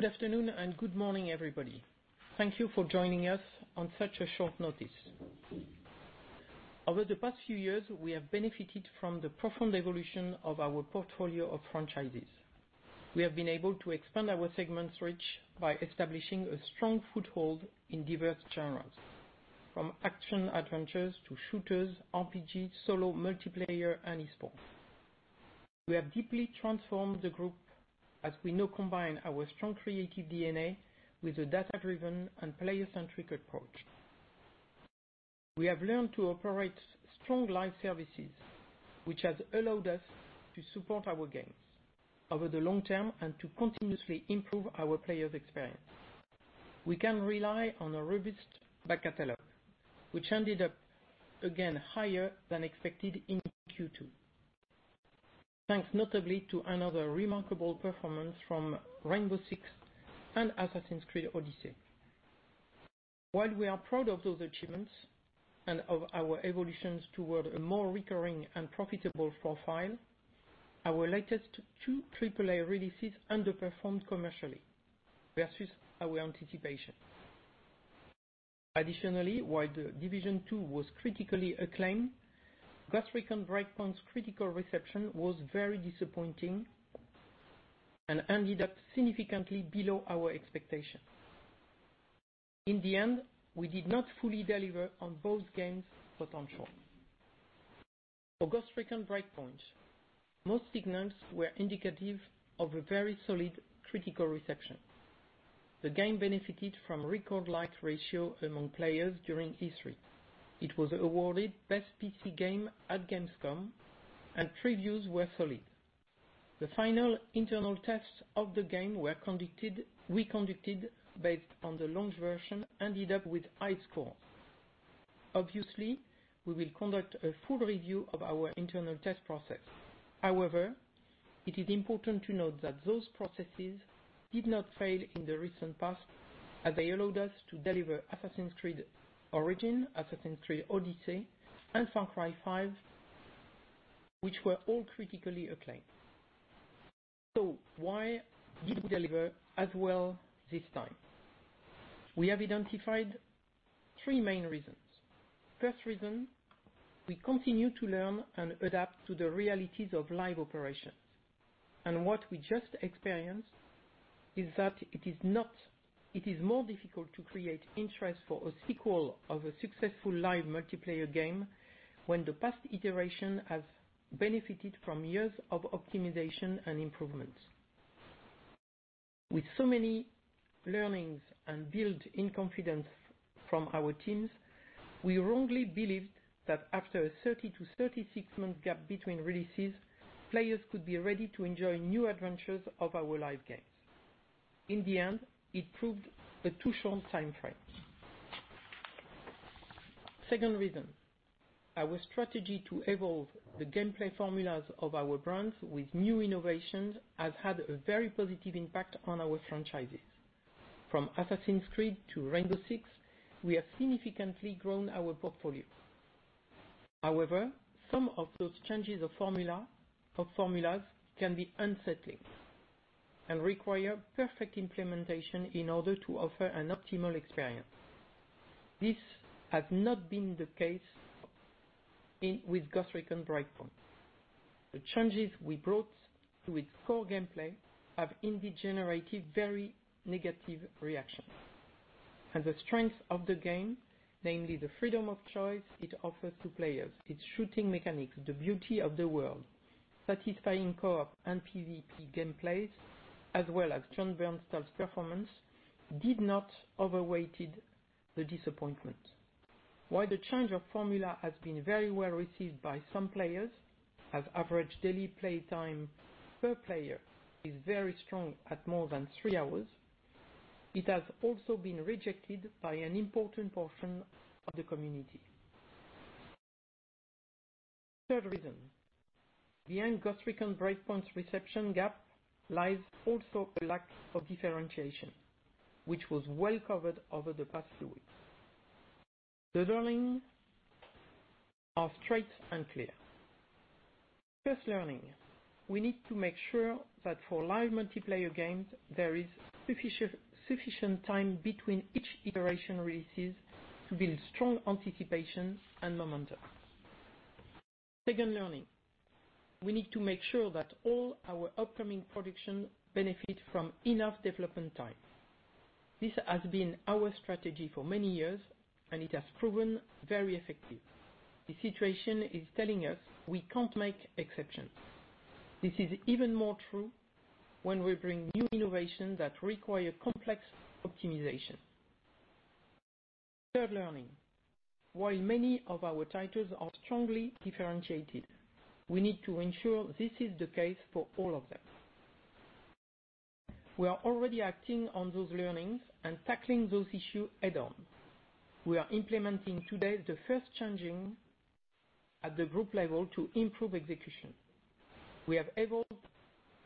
Good afternoon and good morning, everybody. Thank you for joining us on such a short notice. Over the past few years, we have benefited from the profound evolution of our portfolio of franchises. We have been able to expand our segment's reach by establishing a strong foothold in diverse genres, from action-adventures to shooters, RPG, solo multiplayer, and esports. We have deeply transformed the group, as we now combine our strong creative DNA with a data-driven and player-centric approach. We have learned to operate strong live services, which has allowed us to support our games over the long term and to continuously improve our players' experience. We can rely on a robust back catalog, which ended up again higher than expected in Q2. Thanks notably to another remarkable performance from "Rainbow Six" and "Assassin's Creed Odyssey." While we are proud of those achievements and of our evolutions toward a more recurring and profitable profile, our latest two AAA releases underperformed commercially versus our anticipation. Additionally, while "The Division 2" was critically acclaimed, "Ghost Recon Breakpoint's" critical reception was very disappointing and ended up significantly below our expectations. In the end, we did not fully deliver on both games' potential. For "Ghost Recon Breakpoint," most signals were indicative of a very solid critical reception. The game benefited from record like-to-dislike ratio among players during E3. It was awarded Best PC Game at Gamescom, and previews were solid. The final internal tests of the game were conducted based on the launch version ended up with high score. Obviously, we will conduct a full review of our internal test process. However, it is important to note that those processes did not fail in the recent past, as they allowed us to deliver Assassin's Creed Origins, Assassin's Creed Odyssey, and Far Cry 5, which were all critically acclaimed. Why didn't we deliver as well this time? We have identified three main reasons. First reason, we continue to learn and adapt to the realities of live operations. What we just experienced is that it is more difficult to create interest for a sequel of a successful live multiplayer game when the past iteration has benefited from years of optimization and improvements. With so many learnings and build in confidence from our teams, we wrongly believed that after a 30 to 36-month gap between releases, players could be ready to enjoy new adventures of our live games. In the end, it proved a too short timeframe. Second reason, our strategy to evolve the gameplay formulas of our brands with new innovations has had a very positive impact on our franchises. From "Assassin's Creed" to "Rainbow Six," we have significantly grown our portfolio. Some of those changes of formulas can be unsettling and require perfect implementation in order to offer an optimal experience. This has not been the case with "Tom Clancy's Ghost Recon Breakpoint." The changes we brought to its core gameplay have indeed generated very negative reactions. The strength of the game, namely the freedom of choice it offers to players, its shooting mechanics, the beauty of the world, satisfying co-op and PVP gameplays, as well as Jon Bernthal's performance, did not overweight the disappointment. While the change of formula has been very well received by some players, as average daily playtime per player is very strong at more than three hours, it has also been rejected by an important portion of the community. Third reason. Behind "Ghost Recon Breakpoint's" reception gap lies also a lack of differentiation, which was well covered over the past few weeks. The learning are straight and clear. First learning, we need to make sure that for live multiplayer games, there is sufficient time between each iteration releases to build strong anticipation and momentum. Second learning, we need to make sure that all our upcoming production benefit from enough development time. This has been our strategy for many years. It has proven very effective. The situation is telling us we can't make exceptions. This is even more true when we bring new innovation that require complex optimization. Third learning, while many of our titles are strongly differentiated, we need to ensure this is the case for all of them. We are already acting on those learnings and tackling those issue head on. We are implementing today the first changing at the group level to improve execution. We have evolved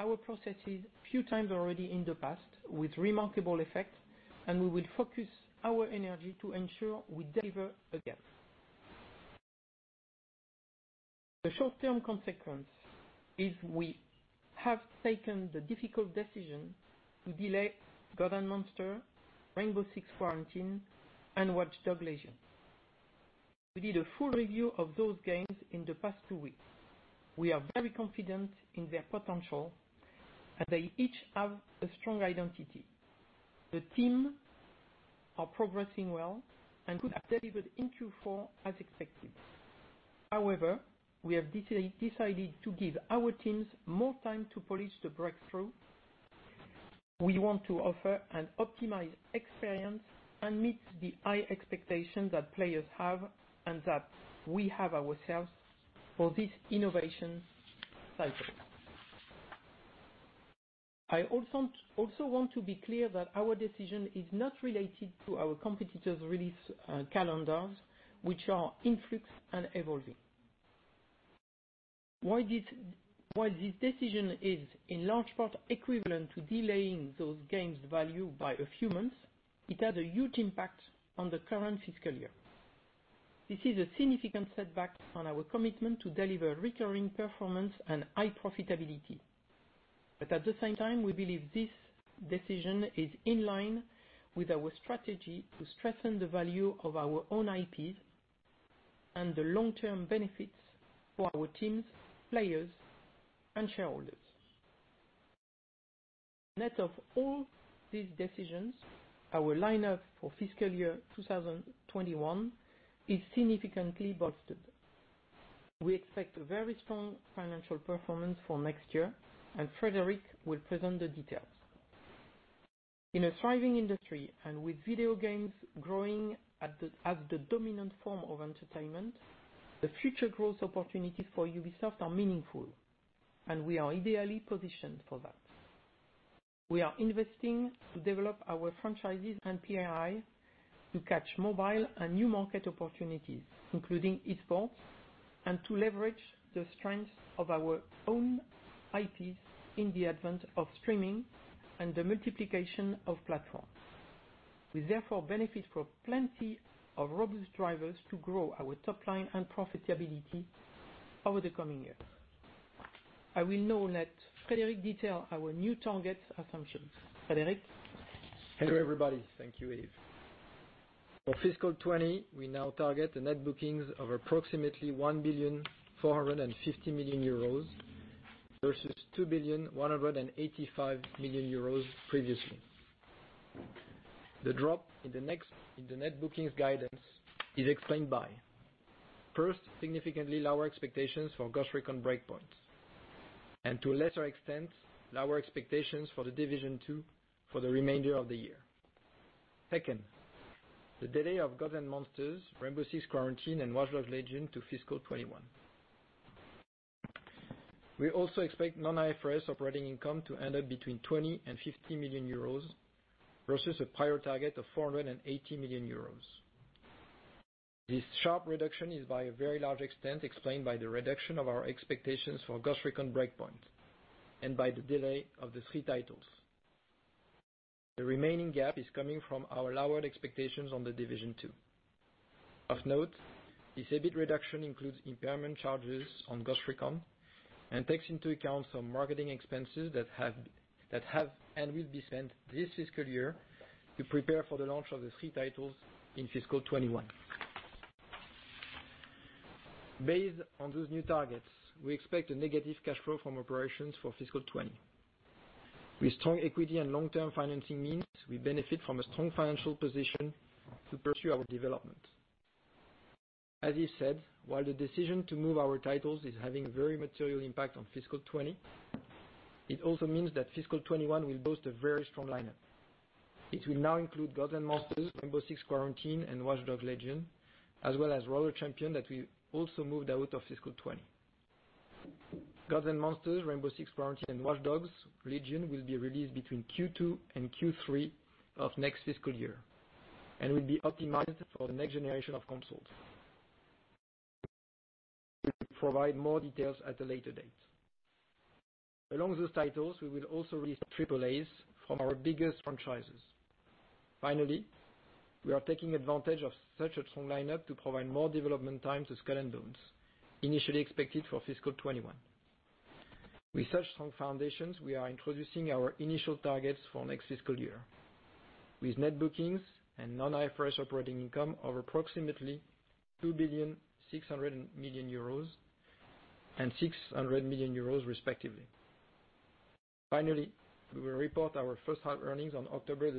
our processes few times already in the past with remarkable effect. We will focus our energy to ensure we deliver again. The short-term consequence is we have taken the difficult decision to delay Gods & Monsters, Rainbow Six Quarantine, and Watch Dogs: Legion. We did a full review of those games in the past two weeks. We are very confident in their potential. They each have a strong identity. The team are progressing well and could have delivered in Q4 as expected. However, we have decided to give our teams more time to polish the breakthrough. We want to offer an optimized experience and meet the high expectation that players have and that we have ourselves for this innovation cycle. I also want to be clear that our decision is not related to our competitors' release calendars, which are in flux and evolving. While this decision is in large part equivalent to delaying those games' value by a few months, it has a huge impact on the current fiscal year. This is a significant setback on our commitment to deliver recurring performance and high profitability. At the same time, we believe this decision is in line with our strategy to strengthen the value of our own IPs and the long-term benefits for our teams, players, and shareholders. Net of all these decisions, our lineup for fiscal year 2021 is significantly bolstered. We expect very strong financial performance for next year. Frédéric will present the details. In a thriving industry, and with video games growing as the dominant form of entertainment, the future growth opportunities for Ubisoft are meaningful, and we are ideally positioned for that. We are investing to develop our franchises and IP to catch mobile and new market opportunities, including esports, and to leverage the strength of our own IPs in the advent of streaming and the multiplication of platforms. We therefore benefit from plenty of robust drivers to grow our top line and profitability over the coming years. I will now let Frédéric detail our new target assumptions. Frédéric? Hello, everybody. Thank you, Yves. For fiscal 2020, we now target net bookings of approximately 1.45 billion versus 2.185 billion previously. The drop in the net bookings guidance is explained by, first, significantly lower expectations for Ghost Recon Breakpoint and, to a lesser extent, lower expectations for The Division 2 for the remainder of the year. Second, the delay of Gods & Monsters, Rainbow Six: Quarantine, and Watch Dogs: Legion to fiscal 2021. We also expect non-IFRS operating income to end up between 20 million and 50 million euros versus a prior target of 480 million euros. This sharp reduction is by a very large extent explained by the reduction of our expectations for Ghost Recon Breakpoint and by the delay of the three titles. The remaining gap is coming from our lowered expectations on The Division 2. Of note, this EBIT reduction includes impairment charges on Ghost Recon and takes into account some marketing expenses that have and will be spent this fiscal year to prepare for the launch of the three titles in fiscal 2021. Based on those new targets, we expect a negative cash flow from operations for fiscal 2020. With strong equity and long-term financing means, we benefit from a strong financial position to pursue our development. As Yves said, while the decision to move our titles is having very material impact on fiscal 2020, it also means that fiscal 2021 will boast a very strong lineup. It will now include Gods & Monsters, Rainbow Six: Quarantine, and Watch Dogs: Legion, as well as Roller Champions that we also moved out of fiscal 2020. Gods & Monsters, Rainbow Six Quarantine, and Watch Dogs: Legion will be released between Q2 and Q3 of next fiscal year and will be optimized for the next generation of consoles. We will provide more details at a later date. Along those titles, we will also release AAAs from our biggest franchises. We are taking advantage of such a strong lineup to provide more development time to Skull and Bones, initially expected for fiscal 2021. With such strong foundations, we are introducing our initial targets for next fiscal year. With net bookings and non-IFRS operating income of approximately 2.6 billion and 600 million euros respectively. We will report our H1 earnings on 30 October.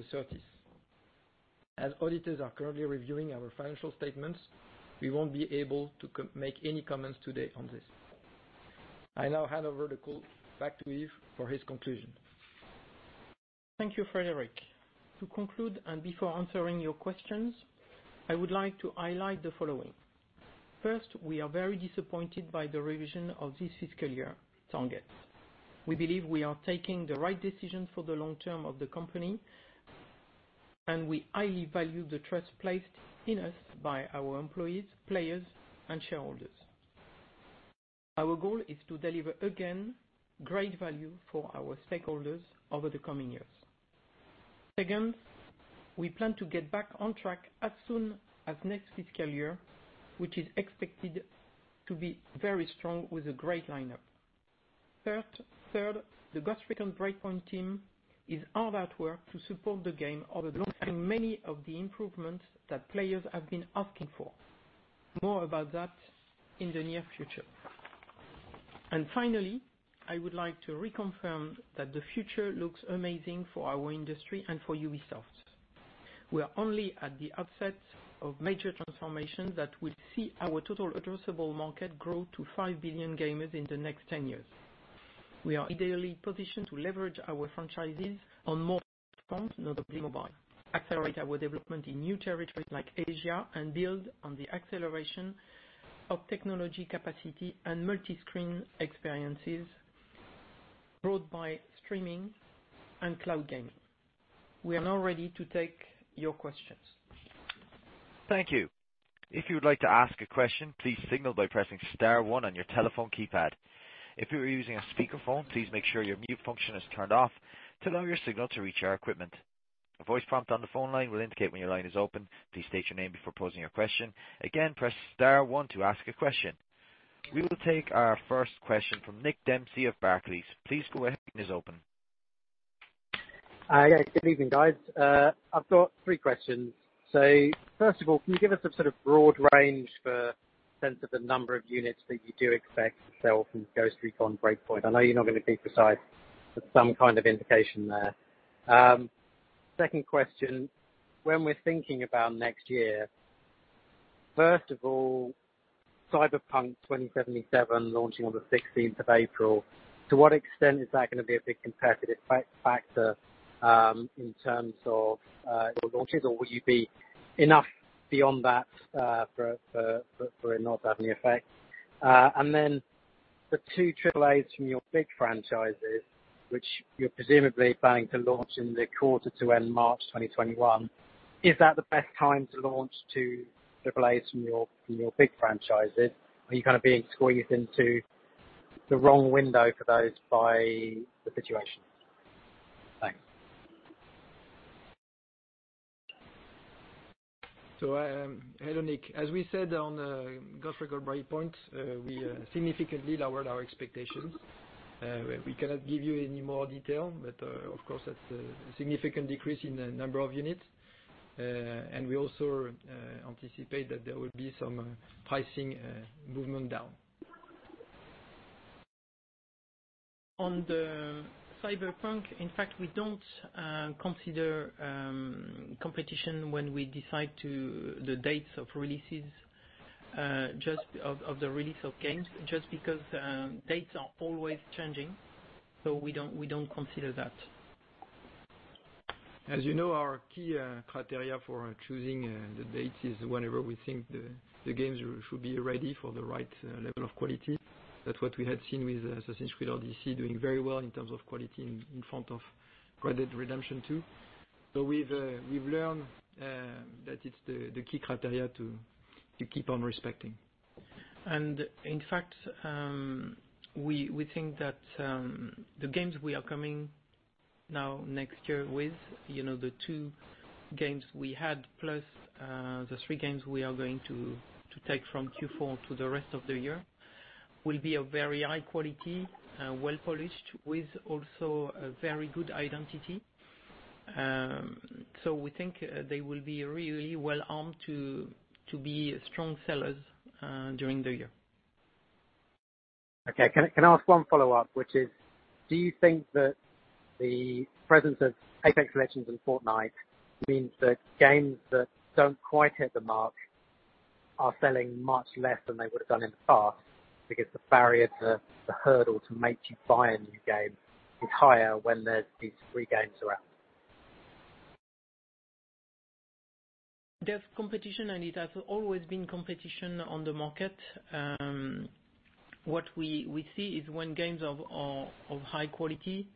As auditors are currently reviewing our financial statements, we won't be able to make any comments today on this. I now hand over the call back to Yves for his conclusion. Thank you, Frédéric. To conclude and before answering your questions, I would like to highlight the following. First, we are very disappointed by the revision of this fiscal year targets. We believe we are taking the right decision for the long term of the company, and we highly value the trust placed in us by our employees, players, and shareholders. Our goal is to deliver, again, great value for our stakeholders over the coming years. Second, we plan to get back on track as soon as next fiscal year, which is expected to be very strong with a great lineup. Third, the Ghost Recon Breakpoint team is hard at work to support the game many of the improvements that players have been asking for. More about that in the near future. Finally, I would like to reconfirm that the future looks amazing for our industry and for Ubisoft. We are only at the outset of major transformations that will see our total addressable market grow to five billion gamers in the next 10 years. We are ideally positioned to leverage our franchises on more platforms, notably mobile, accelerate our development in new territories like Asia, and build on the acceleration of technology capacity and multiscreen experiences brought by streaming and cloud gaming. We are now ready to take your questions. Thank you. If you would like to ask a question, please signal by pressing star one on your telephone keypad. If you are using a speakerphone, please make sure your mute function is turned off to allow your signal to reach our equipment. A voice prompt on the phone line will indicate when your line is open. Please state your name before posing your question. Again, press star one to ask a question. We will take our first question from Nick Dempsey of Barclays. Please go ahead. Your line is open. Hi. Good evening, guys. I've got three questions. First of all, can you give us a sort of broad range for a sense of the number of units that you do expect to sell from Ghost Recon Breakpoint? I know you're not going to be precise, but some kind of indication there. Second question, when we're thinking about next year, first of all, Cyberpunk 2077 launching on the 16th of April, to what extent is that going to be a big competitive factor in terms of your launches? Will you be enough beyond that for it not to have any effect? The two AAAs from your big franchises, which you're presumably planning to launch in the quarter to end March 2021, is that the best time to launch two AAAs from your big franchises? Are you kind of being squeezed into the wrong window for those by the situation? Thanks. Hello, Nick. As we said on Ghost Recon Breakpoint, we significantly lowered our expectations. We cannot give you any more detail, but of course, that's a significant decrease in the number of units. We also anticipate that there will be some pricing movement down. On the Cyberpunk, in fact, we don't consider competition when we decide the dates of the release of games, just because dates are always changing, so we don't consider that. As you know, our key criteria for choosing the dates is whenever we think the games should be ready for the right level of quality. That's what we had seen with Assassin's Creed Odyssey doing very well in terms of quality in front of Red Dead Redemption 2. We've learned that it's the key criteria to keep on respecting. In fact, we think that the games we are coming now next year with, the two games we had, plus the three games we are going to take from Q4 to the rest of the year, will be of very high quality, well-polished, with also a very good identity. We think they will be really well-armed to be strong sellers during the year. Okay. Can I ask one follow-up, which is, do you think that the presence of Apex Legends and Fortnite means that games that don't quite hit the mark are selling much less than they would have done in the past because the barrier, the hurdle to make you buy a new game is higher when these free games are out? There's competition, and it has always been competition on the market. What we see is when games are of high quality,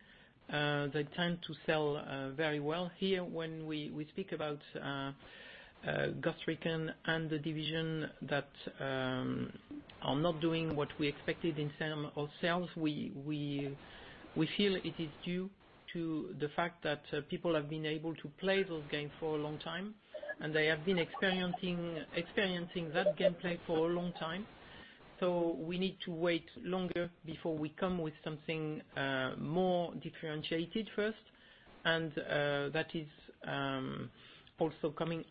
they tend to sell very well. Here, when we speak about Ghost Recon and The Division that are not doing what we expected in term of sales, we feel it is due to the fact that people have been able to play those games for a long time, and they have been experiencing that gameplay for a long time. We need to wait longer before we come with something more differentiated first. That is also coming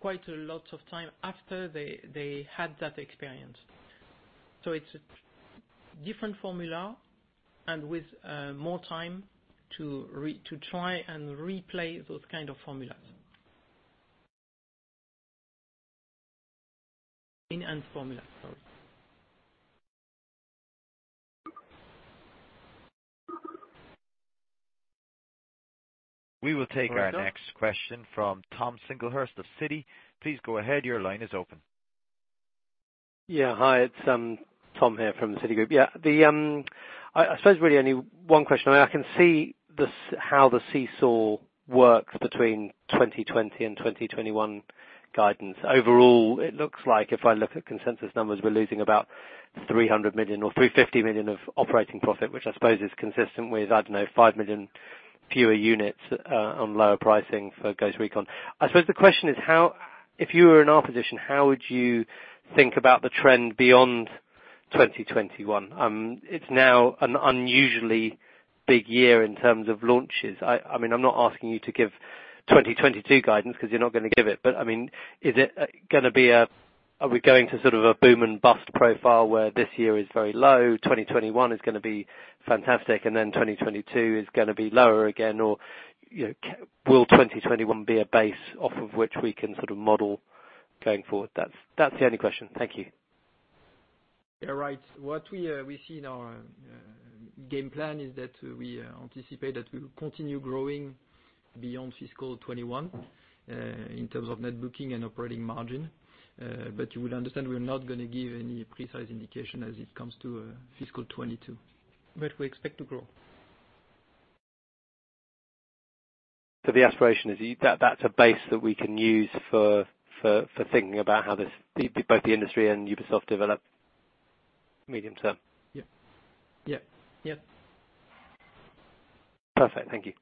quite a lot of time after they had that experience. It's a different formula, and with more time to try and replay those kind of formulas. Enhanced formula, sorry. We will take our next question from Tom Singlehurst of Citi. Please go ahead. Your line is open. Hi, it's Tom here from Citigroup. I suppose really only one question. I can see how the seesaw works between 2020 and 2021 guidance. Overall, it looks like if I look at consensus numbers, we're losing about 300 million or 350 million of operating profit, which I suppose is consistent with, I don't know, five million fewer units on lower pricing for Ghost Recon. I suppose the question is, if you were in our position, how would you think about the trend beyond 2021? It's now an unusually big year in terms of launches. I'm not asking you to give 2022 guidance because you're not going to give it. Are we going to sort of a boom and bust profile where this year is very low, 2021 is going to be fantastic, and then 2022 is going to be lower again? Will 2021 be a base off of which we can sort of model going forward? That's the only question. Thank you. Yeah, right. What we see in our game plan is that we anticipate that we will continue growing beyond fiscal 2021 in terms of net booking and operating margin. You will understand, we're not going to give any precise indication as it comes to fiscal 2022. We expect to grow. The aspiration is that's a base that we can use for thinking about how both the industry and Ubisoft develop medium term? Yep. Yep. Perfect. Thank you.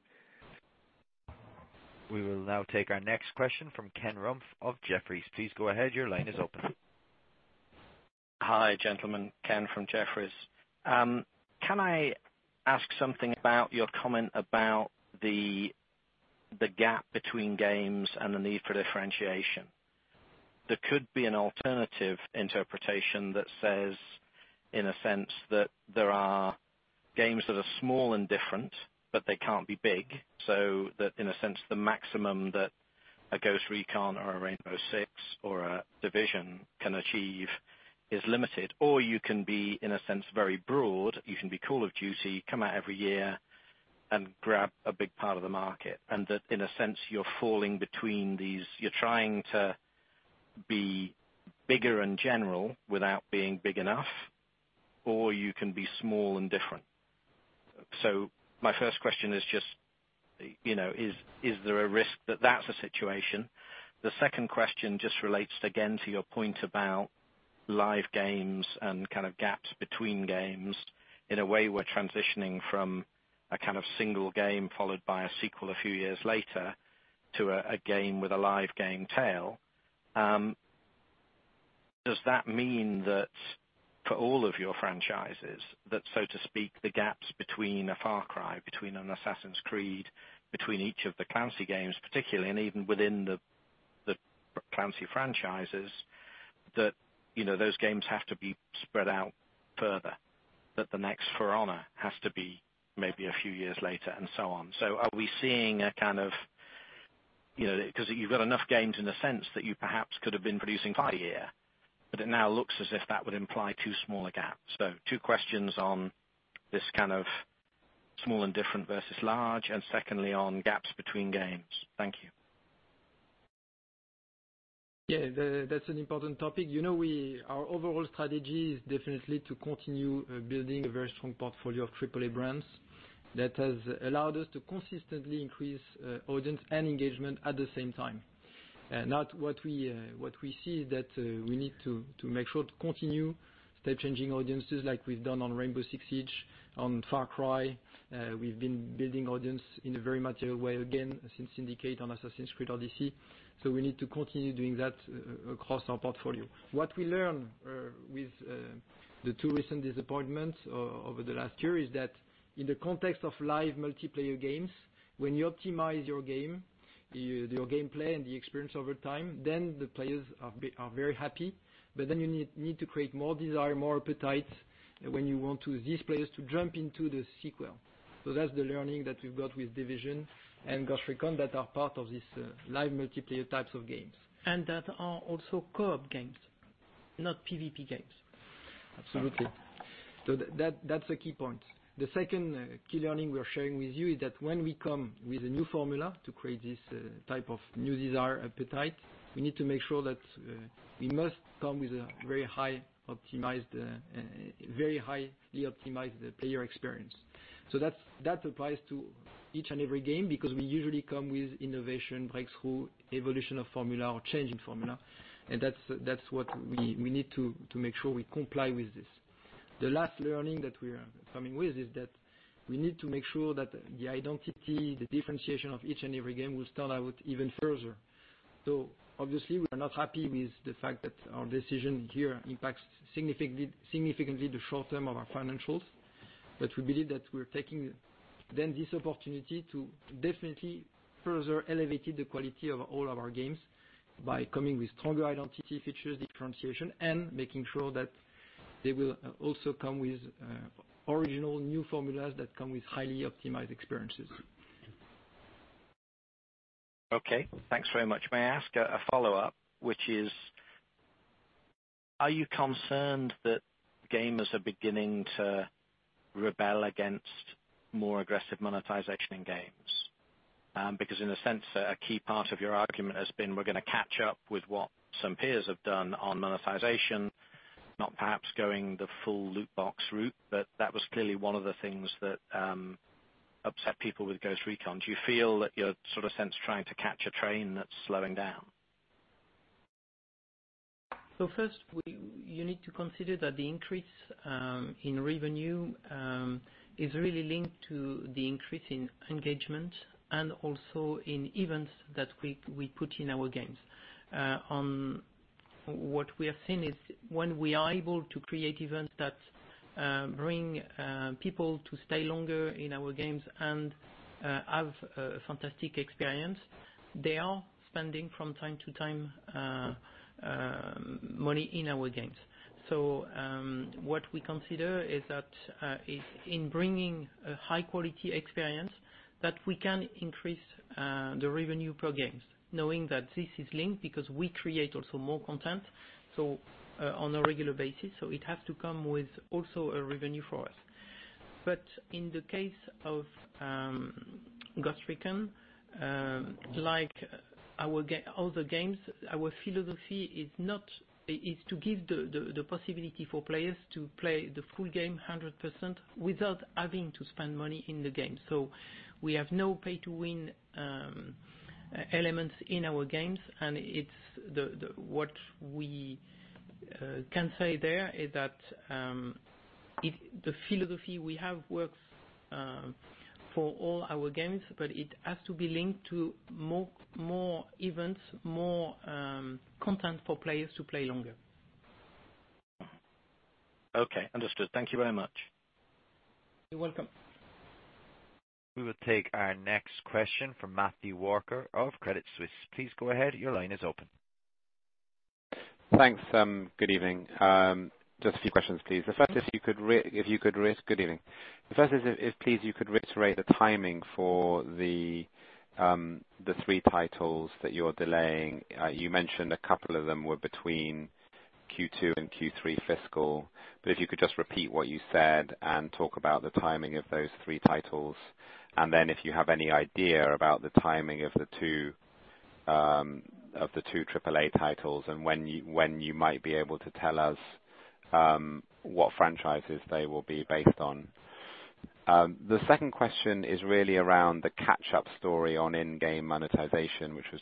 We will now take our next question from Ken Rumph of Jefferies. Please go ahead. Your line is open. Hi, gentlemen. Ken from Jefferies. Can I ask something about your comment about the gap between games and the need for differentiation? There could be an alternative interpretation that says, in a sense, that there are games that are small and different, but they can't be big. That, in a sense, the maximum that a Ghost Recon or a Rainbow Six or a Division can achieve is limited. You can be, in a sense, very broad. You can be Call of Duty, come out every year and grab a big part of the market. That, in a sense, you're falling between you're trying to be bigger in general without being big enough, or you can be small and different. My first question is just, is there a risk that that's the situation? The second question just relates again to your point about live games and kind of gaps between games. In a way, we're transitioning from a kind of single game followed by a sequel a few years later to a game with a live game tail. Does that mean that for all of your franchises that, so to speak, the gaps between a Far Cry, between an Assassin's Creed, between each of the Clancy games particularly, and even within the Clancy franchises, that those games have to be spread out further? That the next For Honor has to be maybe a few years later and so on. You've got enough games in the sense that you perhaps could have been producing five a year, but it now looks as if that would imply two smaller gaps. Two questions on this kind of small and different versus large, and secondly, on gaps between games. Thank you. Yeah, that's an important topic. Our overall strategy is definitely to continue building a very strong portfolio of AAA brands that has allowed us to consistently increase audience and engagement at the same time. What we see is that we need to make sure to continue step-changing audiences like we've done on Rainbow Six Siege, on Far Cry. We've been building audience in a very material way again since Syndicate on Assassin's Creed Odyssey. We need to continue doing that across our portfolio. What we learn with the two recent disappointments over the last year is that in the context of live multiplayer games, when you optimize your game, your gameplay, and the experience over time, the players are very happy. You need to create more desire, more appetite when you want these players to jump into the sequel. That's the learning that we've got with Division and Ghost Recon that are part of this live multiplayer types of games. That are also co-op games, not PVP games. Absolutely. That's a key point. The second key learning we are sharing with you is that when we come with a new formula to create this type of new desire, appetite, we need to make sure that we must come with a very highly optimized player experience. That applies to each and every game because we usually come with innovation, breakthrough, evolution of formula, or change in formula, and that's what we need to make sure we comply with this. The last learning that we're coming with is that we need to make sure that the identity, the differentiation of each and every game will stand out even further. Obviously we are not happy with the fact that our decision here impacts significantly the short term of our financials. We believe that we're taking then this opportunity to definitely further elevate the quality of all of our games by coming with stronger identity features, differentiation, and making sure that they will also come with original new formulas that come with highly optimized experiences. Okay, thanks very much. May I ask a follow-up, which is, are you concerned that gamers are beginning to rebel against more aggressive monetization in games? In a sense, a key part of your argument has been we're going to catch up with what some peers have done on monetization, not perhaps going the full loot box route, but that was clearly one of the things that upset people with Ghost Recon. Do you feel that you're sort of sense trying to catch a train that's slowing down? First, you need to consider that the increase in revenue is really linked to the increase in engagement and also in events that we put in our games. What we have seen is when we are able to create events that bring people to stay longer in our games and have a fantastic experience, they are spending, from time to time, money in our games. What we consider is that in bringing a high-quality experience, that we can increase the revenue per games, knowing that this is linked because we create also more content on a regular basis, so it has to come with also a revenue for us. In the case of Ghost Recon, like all the games, our philosophy is to give the possibility for players to play the full game 100% without having to spend money in the game. We have no pay-to-win elements in our games, and what we can say there is that the philosophy we have works for all our games, but it has to be linked to more events, more content for players to play longer. Okay, understood. Thank you very much. You're welcome. We will take our next question from Matthew Walker of Credit Suisse. Please go ahead. Your line is open. Thanks. Good evening. Just a few questions, please. Good evening. The first is, if please you could reiterate the timing for the three titles that you're delaying. You mentioned a couple of them were between Q2 and Q3 fiscal. If you could just repeat what you said and talk about the timing of those three titles, and then if you have any idea about the timing of the two AAA titles and when you might be able to tell us what franchises they will be based on. The second question is really around the catch-up story on in-game monetization, which was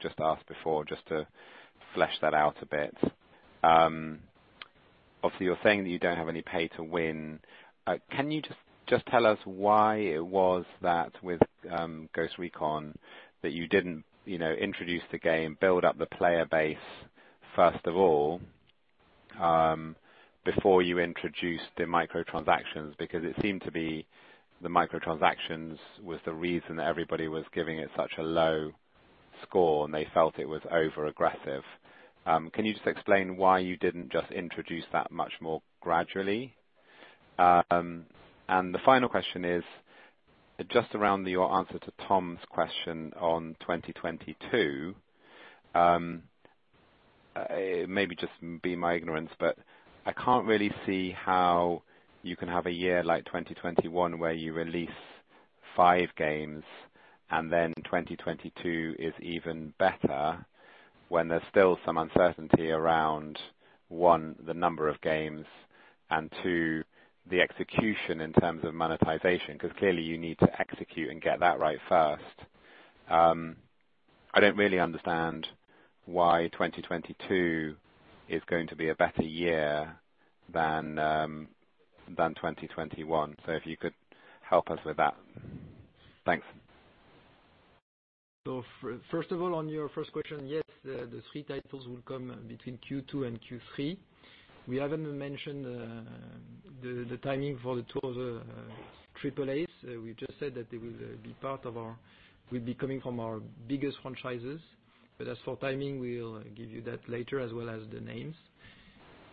just asked before, just to flesh that out a bit. Obviously, you're saying that you don't have any pay to win. Can you just tell us why it was that with Ghost Recon that you didn't introduce the game, build up the player base, first of all, before you introduced the microtransactions? It seemed to be the microtransactions was the reason that everybody was giving it such a low score, and they felt it was over-aggressive. Can you just explain why you didn't just introduce that much more gradually? The final question is just around your answer to Tom's question on 2022. Maybe just be my ignorance, I can't really see how you can have a year like 2021 where you release five games and then 2022 is even better when there's still some uncertainty around, one, the number of games and two, the execution in terms of monetization, clearly you need to execute and get that right first. I don't really understand why 2022 is going to be a better year than 2021. If you could help us with that. Thanks. First of all, on your first question, yes, the three titles will come between Q2 and Q3. We haven't mentioned the timing for the two other AAAs. We just said that they will be coming from our biggest franchises. As for timing, we'll give you that later as well as the names.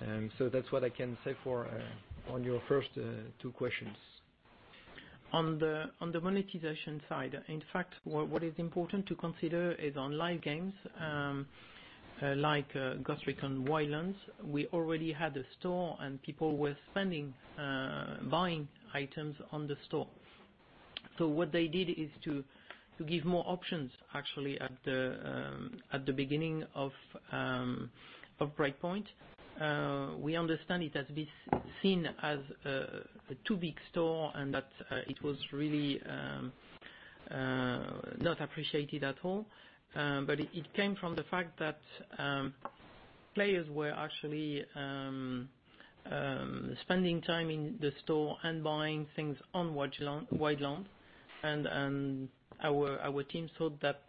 That's what I can say on your first two questions. On the monetization side, in fact, what is important to consider is on live games, like Ghost Recon Wildlands, we already had a store, and people were spending, buying items on the store. What they did is to give more options, actually, at the beginning of Breakpoint. We understand it has been seen as a too big store and that it was really not appreciated at all. It came from the fact that players were actually spending time in the store and buying things on Wildlands, and our team thought that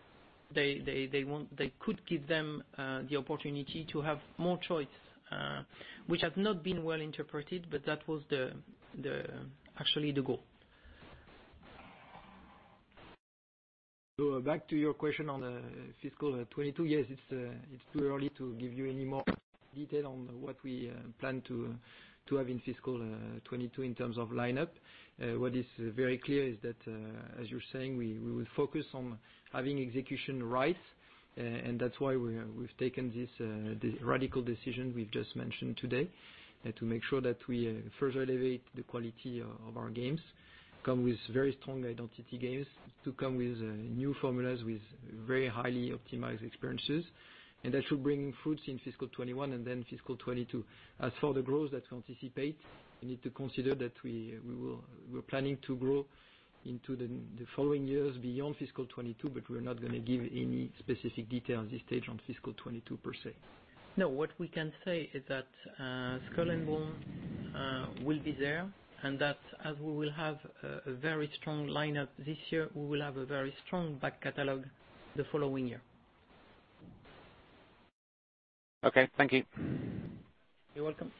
they could give them the opportunity to have more choice, which has not been well interpreted, but that was actually the goal. Back to your question on fiscal 2022, yes, it's too early to give you any more detail on what we plan to have in fiscal 2022 in terms of lineup. What is very clear is that, as you're saying, we will focus on having execution right, and that's why we've taken this radical decision we've just mentioned today, to make sure that we further elevate the quality of our games, come with very strong identity games, to come with new formulas with very highly optimized experiences. That should bring fruits in fiscal 2021 and then fiscal 2022. As for the growth that we anticipate, we need to consider that we're planning to grow into the following years beyond fiscal 2022. We're not going to give any specific detail at this stage on fiscal 2022 per se. No, what we can say is that Skull and Bones will be there, and that as we will have a very strong lineup this year, we will have a very strong back catalog the following year. Okay, thank you. You're welcome.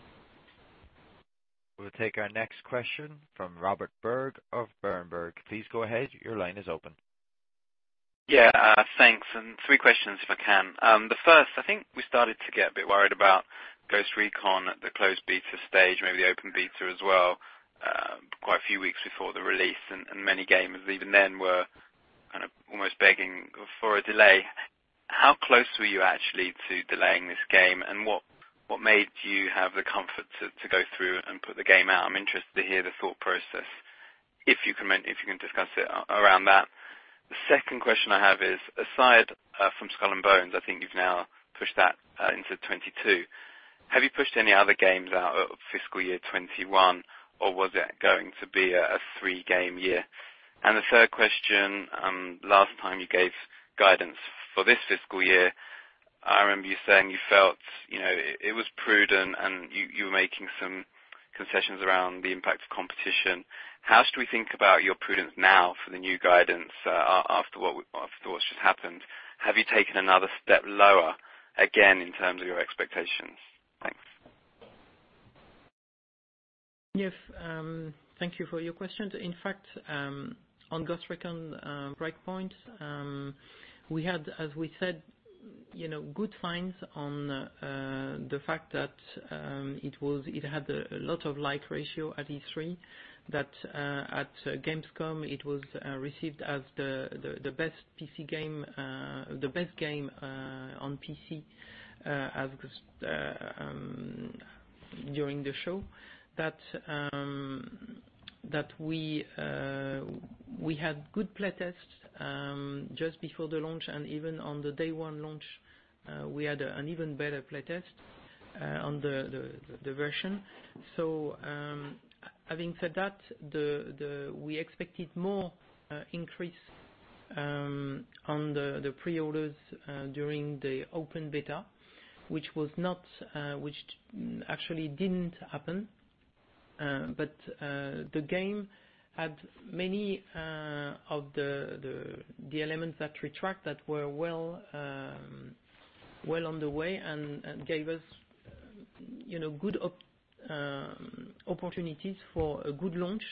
We'll take our next question from Robert Berg of Berenberg. Please go ahead. Your line is open. Yeah, thanks. Three questions if I can. The first, I think we started to get a bit worried about Ghost Recon at the closed beta stage, maybe the open beta as well, quite a few weeks before the release. Many gamers even then were almost begging for a delay. How close were you actually to delaying this game, and what made you have the comfort to go through and put the game out? I'm interested to hear the thought process, if you can discuss it around that. The second question I have is, aside from Skull and Bones, I think you've now pushed that into 2022. Have you pushed any other games out of fiscal year 2021, or was it going to be a three-game year? The third question, last time you gave guidance for this fiscal year, I remember you saying you felt it was prudent, and you were making some concessions around the impact of competition. How should we think about your prudence now for the new guidance, after what's just happened? Have you taken another step lower, again, in terms of your expectations? Thanks. Yes. Thank you for your questions. In fact, on Ghost Recon Breakpoint, we had, as we said, good signs on the fact that it had a lot of like ratio at E3. At Gamescom it was received as the best game on PC during the show. We had good play tests just before the launch, and even on the day one launch, we had an even better play test on the version. Having said that, we expected more increase on the pre-orders during the open beta, which actually didn't happen. The game had many of the elements that we tracked that were well on the way and gave us good opportunities for a good launch.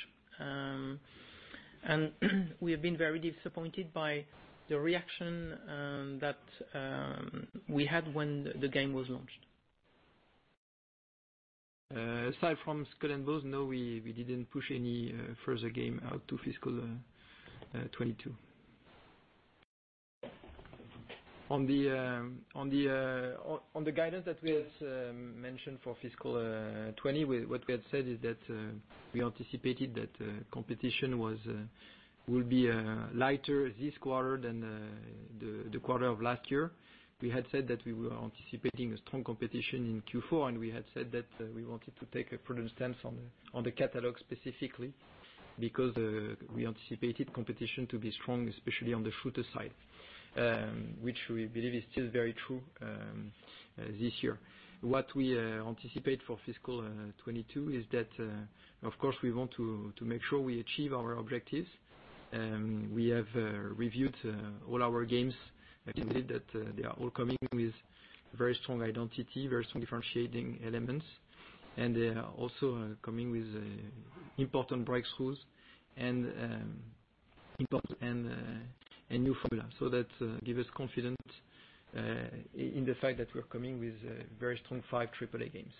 We have been very disappointed by the reaction that we had when the game was launched. Aside from Skull and Bones, no, we didn't push any further game out to fiscal 2022. On the guidance that we had mentioned for fiscal 2020, what we had said is that we anticipated that competition will be lighter this quarter than the quarter of last year. We had said that we were anticipating a strong competition in Q4, and we had said that we wanted to take a prudent stance on the catalog specifically, because we anticipated competition to be strong, especially on the shooter side, which we believe is still very true this year. What we anticipate for fiscal 2022 is that, of course, we want to make sure we achieve our objectives. We have reviewed all our games, I can say that they are all coming with very strong identity, very strong differentiating elements, and they are also coming with important breakthroughs and new formula. That give us confidence in the fact that we're coming with very strong five AAA games.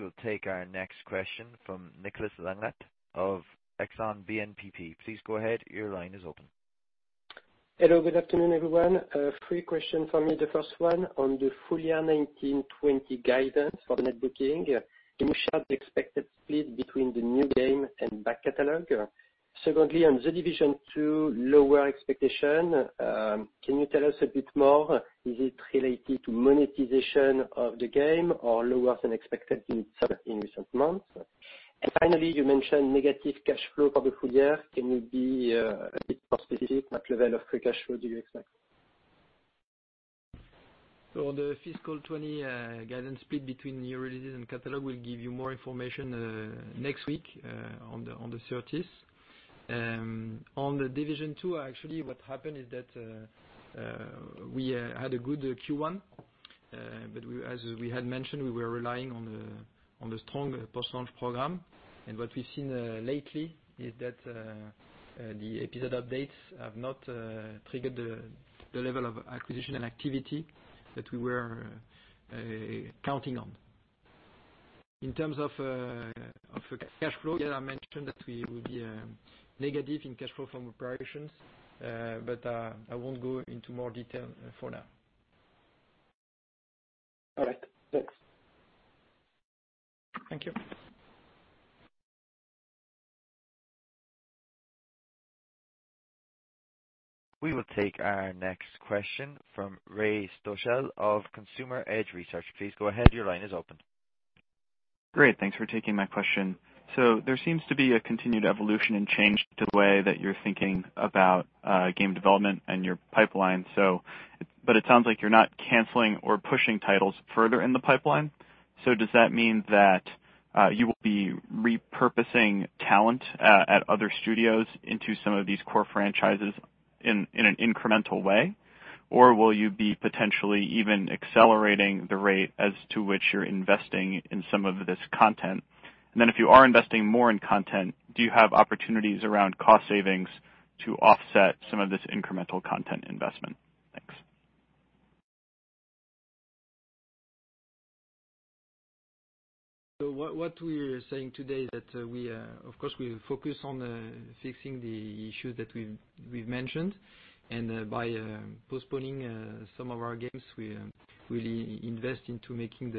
We will take our next question from Nicolas Langlet of Exane BNPP. Please go ahead. Your line is open. Hello. Good afternoon, everyone. Three question from me. The first one on the full year 2019-2020 guidance for net booking. Can you share the expected split between the new game and back catalog? Secondly, on The Division 2 lower expectation, can you tell us a bit more? Is it related to monetization of the game or lower than expected in recent months? Finally, you mentioned negative cash flow for the full year. Can you be a bit more specific, what level of free cash flow do you expect? On the fiscal 20 guidance split between new releases and catalog, we'll give you more information next week, on the 30th. On The Division 2, actually, what happened is that we had a good Q1. As we had mentioned, we were relying on the strong post-launch program. What we've seen lately is that the episode updates have not triggered the level of acquisition and activity that we were counting on. In terms of cash flow, yeah, I mentioned that we will be negative in cash flow from operations. I won't go into more detail for now. All right. Thanks. Thank you. We will take our next question from Ray Stochel of Consumer Edge Research. Please go ahead. Your line is open. Great, thanks for taking my question. There seems to be a continued evolution and change to the way that you're thinking about game development and your pipeline. It sounds like you're not canceling or pushing titles further in the pipeline. Does that mean that you will be repurposing talent at other studios into some of these core franchises in an incremental way? Will you be potentially even accelerating the rate as to which you're investing in some of this content? If you are investing more in content, do you have opportunities around cost savings to offset some of this incremental content investment? Thanks. What we are saying today is that, of course, we focus on fixing the issues that we've mentioned. By postponing some of our games, we really invest into making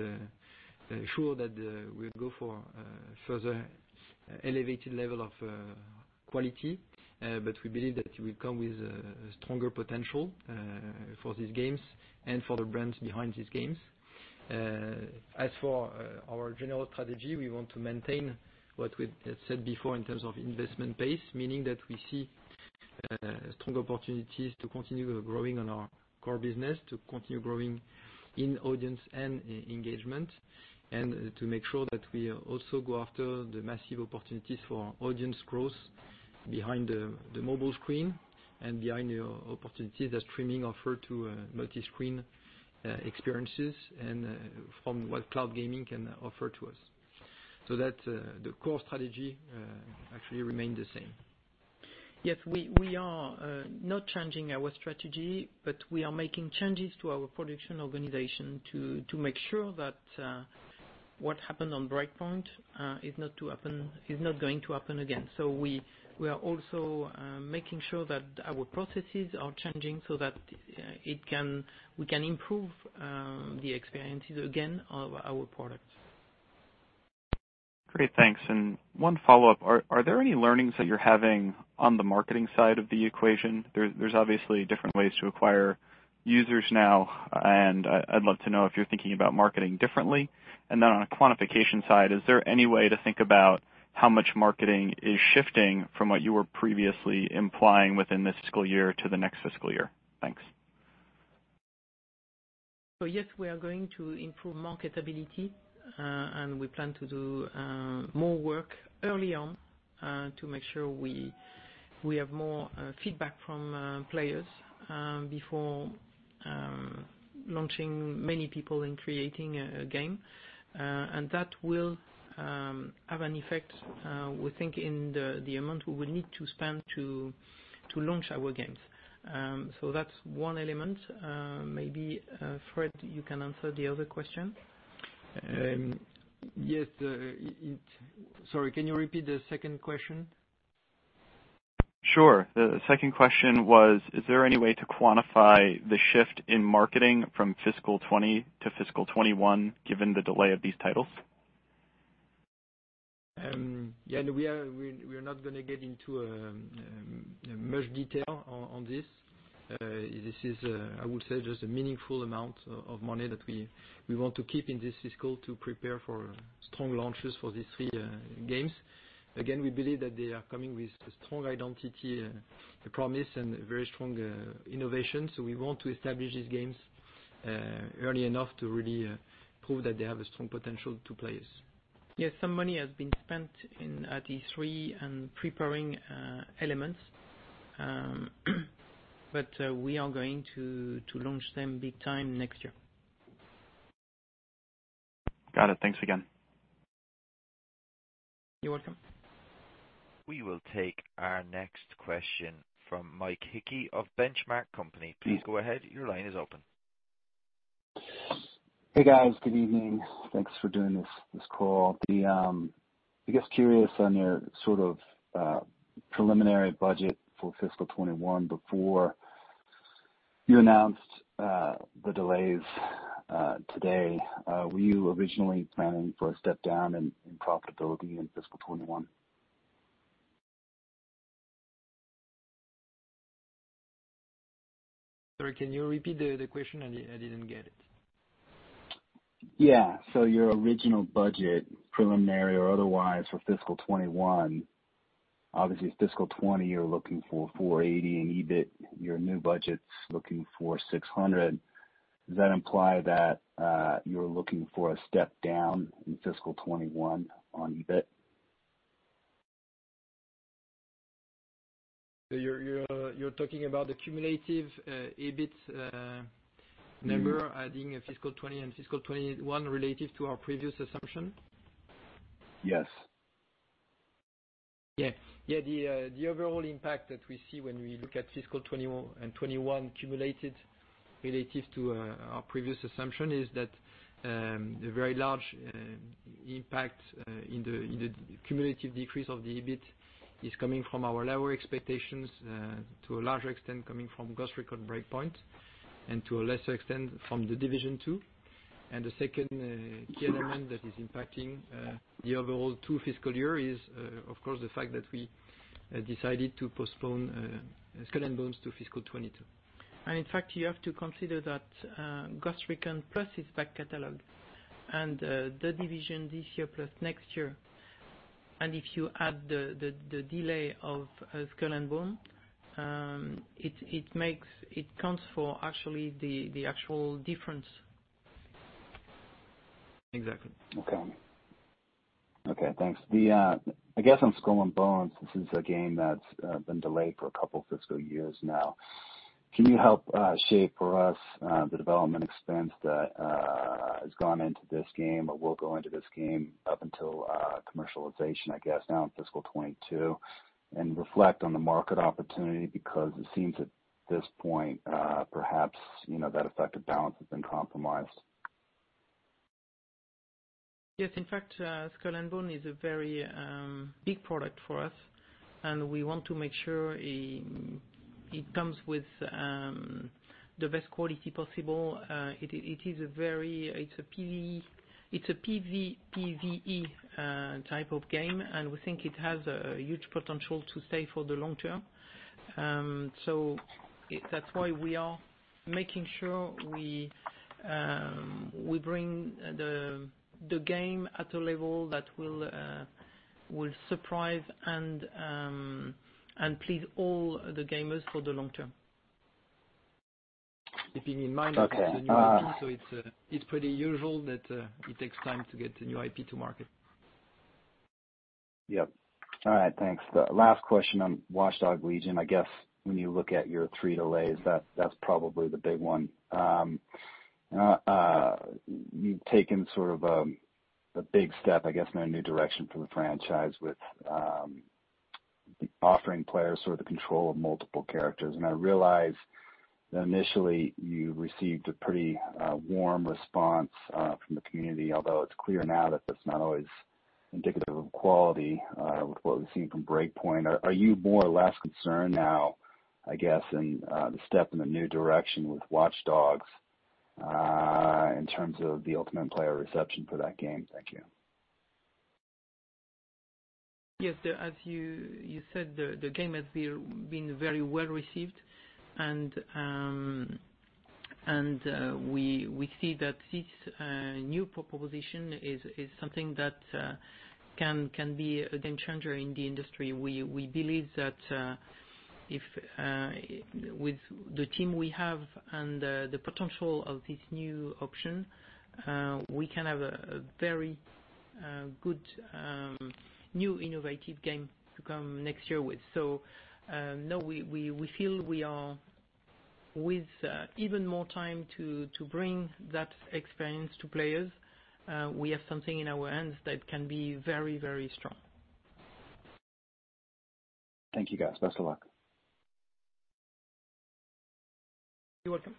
sure that we'll go for a further elevated level of quality. We believe that it will come with a stronger potential for these games and for the brands behind these games. As for our general strategy, we want to maintain what we said before in terms of investment pace, meaning that we see strong opportunities to continue growing on our core business, to continue growing in audience and engagement, and to make sure that we also go after the massive opportunities for audience growth behind the mobile screen and behind the opportunities that streaming offer to multi-screen experiences and from what cloud gaming can offer to us. The core strategy actually remained the same. Yes. We are not changing our strategy, but we are making changes to our production organization to make sure that what happened on Breakpoint is not going to happen again. We are also making sure that our processes are changing so that we can improve the experiences, again, of our products. Great, thanks. One follow-up, are there any learnings that you're having on the marketing side of the equation? There's obviously different ways to acquire users now, and I'd love to know if you're thinking about marketing differently. On a quantification side, is there any way to think about how much marketing is shifting from what you were previously implying within this fiscal year to the next fiscal year? Thanks. Yes, we are going to improve marketability, and we plan to do more work early on to make sure we have more feedback from players before launching many people in creating a game. That will have an effect, we think, in the amount we will need to spend to launch our games. That's one element. Maybe, Fréd, you can answer the other question. Yes. Sorry, can you repeat the second question? Sure. The second question was, is there any way to quantify the shift in marketing from fiscal 2020 to fiscal 2021, given the delay of these titles? Yeah. No, we are not going to get into much detail on this. This is, I would say, just a meaningful amount of money that we want to keep in this fiscal to prepare for strong launches for these three games. Again, we believe that they are coming with a strong identity, a promise, and very strong innovation. We want to establish these games early enough to really prove that they have a strong potential to players. Yes, some money has been spent in these three and preparing elements. We are going to launch them big time next year. Got it. Thanks again. You're welcome. We will take our next question from Mike Hickey of Benchmark Company. Please go ahead. Your line is open. Hey, guys. Good evening. Thanks for doing this call. I guess curious on your sort of preliminary budget for fiscal 2021 before you announced the delays today. Were you originally planning for a step down in profitability in fiscal 2021? Sorry, can you repeat the question? I didn't get it. Yeah. Your original budget, preliminary or otherwise, for fiscal 2021, obviously it's fiscal 2020 you're looking for 480 million in EBIT. Your new budget's looking for 600 million. Does that imply that you're looking for a step down in fiscal 2021 on EBIT? You're talking about the cumulative EBIT number. adding fiscal 2020 and fiscal 2021 related to our previous assumption? Yes. Yeah. The overall impact that we see when we look at fiscal 2021 cumulated relative to our previous assumption is that the very large impact in the cumulative decrease of the EBIT is coming from our lower expectations to a large extent coming from Ghost Recon Breakpoint. To a lesser extent, from The Division 2. The second key element that is impacting the overall two fiscal year is, of course, the fact that we decided to postpone Skull and Bones to fiscal 2022. In fact, you have to consider that Ghost Recon plus its back catalog and The Division this year plus next year, and if you add the delay of Skull and Bones, it counts for actually the actual difference. Exactly. Okay. Thanks. I guess on Skull and Bones, this is a game that's been delayed for a couple of fiscal years now. Can you help shape for us the development expense that has gone into this game or will go into this game up until commercialization, I guess now in fiscal 2022, and reflect on the market opportunity? Because it seems at this point, perhaps, that effective balance has been compromised. Yes. In fact, Skull and Bones is a very big product for us. We want to make sure it comes with the best quality possible. It's a PvPvE type of game. We think it has a huge potential to stay for the long term. That's why we are making sure we bring the game at a level that will surprise and please all the gamers for the long term. Okay. it's a new IP, so it's pretty usual that it takes time to get a new IP to market. Yep. All right, thanks. The last question on Watch Dogs: Legion. I guess when you look at your three delays, that's probably the big one. You've taken sort of a big step, I guess, in a new direction for the franchise with offering players sort of the control of multiple characters. I realize that initially you received a pretty warm response from the community, although it's clear now that that's not always indicative of quality, with what we've seen from Breakpoint. Are you more or less concerned now, I guess, in the step in the new direction with Watch Dogs, in terms of the ultimate player reception for that game? Thank you. Yes. As you said, the game has been very well-received. We see that this new proposition is something that can be a game-changer in the industry. We believe that with the team we have and the potential of this new option, we can have a very good, new innovative game to come next year with. No, we feel we are with even more time to bring that experience to players. We have something in our hands that can be very strong. Thank you, guys. Best of luck. You're welcome.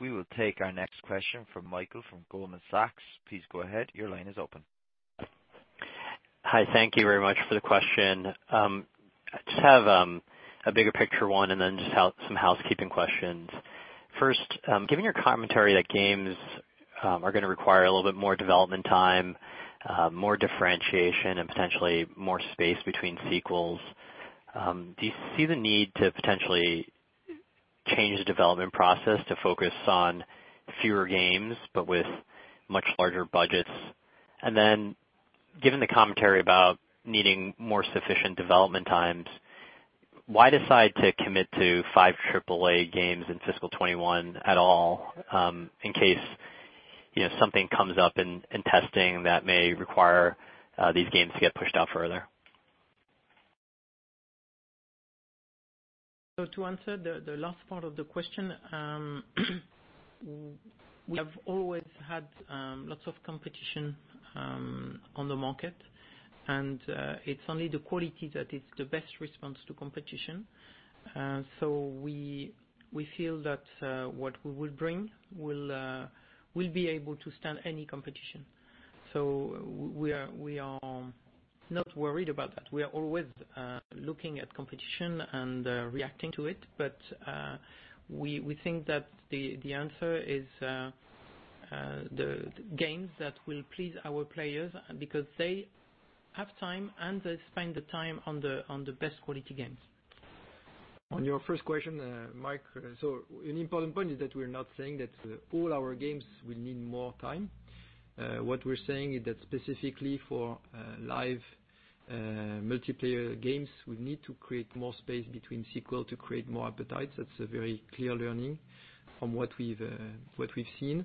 We will take our next question from Michael from Goldman Sachs. Please go ahead. Your line is open. Hi. Thank you very much for the question. I just have a bigger picture one and then just some housekeeping questions. First, given your commentary that games are going to require a little bit more development time, more differentiation, and potentially more space between sequels, do you see the need to potentially change the development process to focus on fewer games, but with much larger budgets? Given the commentary about needing more sufficient development times, why decide to commit to five AAA games in fiscal 2021 at all, in case something comes up in testing that may require these games to get pushed out further? To answer the last part of the question, we have always had lots of competition on the market, and it's only the quality that is the best response to competition. We feel that what we will bring will be able to stand any competition. We are not worried about that. We are always looking at competition and reacting to it. We think that the answer is the games that will please our players because they have time, and they spend the time on the best quality games. On your first question, Mike, an important point is that we're not saying that all our games will need more time. What we're saying is that specifically for live multiplayer games, we need to create more space between sequel to create more appetite. That's a very clear learning from what we've seen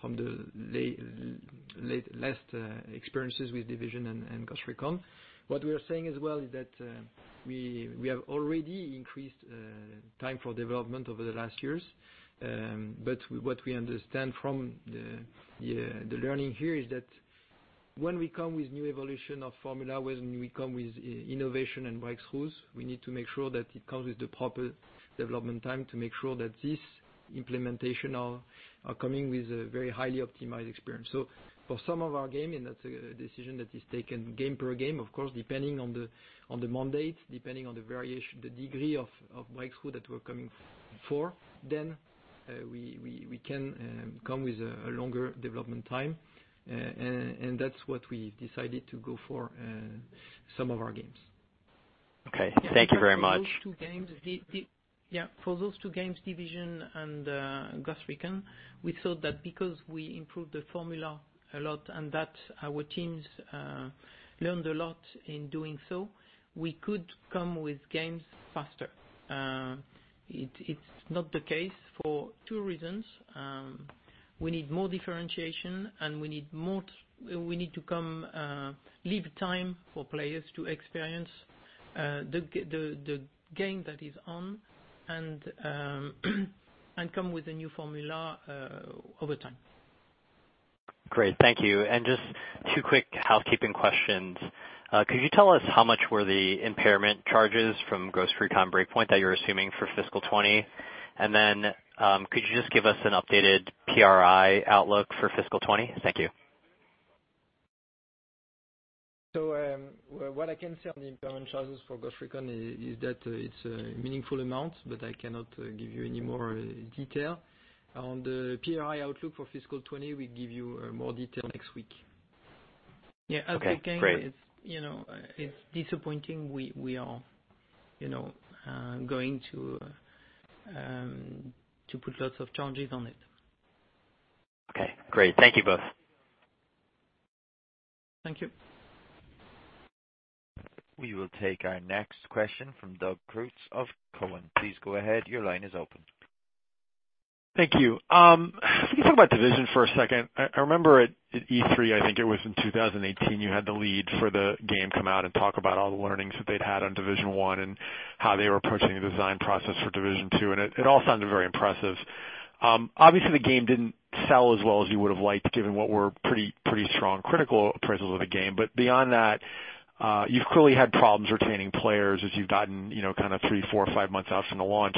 from the last experiences with The Division and Ghost Recon. What we are saying as well is that we have already increased time for development over the last years. What we understand from the learning here is that when we come with new evolution of formula, when we come with innovation and breakthroughs, we need to make sure that it comes with the proper development time to make sure that this implementation are coming with a very highly optimized experience. For some of our game, and that's a decision that is taken game per game, of course, depending on the mandate, depending on the variation, the degree of breakthrough that we're coming for, then we can come with a longer development time. That's what we decided to go for in some of our games. Okay. Thank you very much. For those two games, Division and Ghost Recon, we thought that because we improved the formula a lot and that our teams learned a lot in doing so, we could come with games faster. It's not the case for two reasons. We need more differentiation, and we need to leave time for players to experience the game that is on and come with a new formula over time. Great. Thank you. Just two quick housekeeping questions. Could you tell us how much were the impairment charges from Ghost Recon Breakpoint that you're assuming for fiscal 2020? Could you just give us an updated PRI outlook for fiscal 2020? Thank you. What I can say on the impairment charges for Ghost Recon is that it's a meaningful amount, but I cannot give you any more detail. On the P&L outlook for fiscal 2020, we give you more detail next week. Okay, great. Yeah. It's disappointing. We are going to put lots of charges on it. Okay, great. Thank you both. Thank you. We will take our next question from Doug Creutz of Cowen. Please go ahead. Your line is open. Thank you. Can we talk about Division for a second? I remember at E3, I think it was in 2018, you had the lead for the game come out and talk about all the learnings that they'd had on Division 1 and how they were approaching the design process for Division 2, it all sounded very impressive. Obviously, the game didn't sell as well as you would have liked, given what were pretty strong critical appraisals of the game. Beyond that, you've clearly had problems retaining players as you've gotten kind of three, four, five months out from the launch.